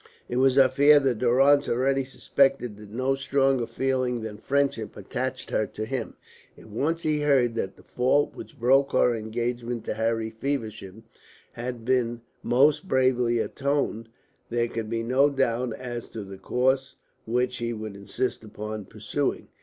It was her fear that Durrance already suspected that no stronger feeling than friendship attached her to him. If once he heard that the fault which broke her engagement to Harry Feversham had been most bravely atoned, there could be no doubt as to the course which he would insist upon pursuing.